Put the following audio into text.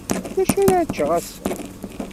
D acu ara ččeɣ ass-a?